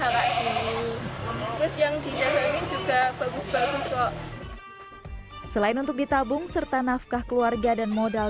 kali ini yang diberi juga bagus bagus kok selain untuk ditabung serta nafkah keluarga dan modal